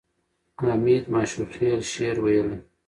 حمید ماشوخېل شعر ویلی.